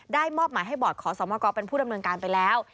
มอบหมายให้บอร์ดขอสมกเป็นผู้ดำเนินการไปแล้ว